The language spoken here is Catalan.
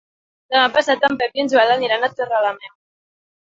Demà passat en Pep i en Joel aniran a Torrelameu.